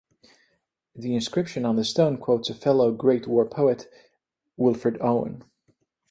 The inscription on the stone quotes a fellow Great War poet, Wilfred Owen.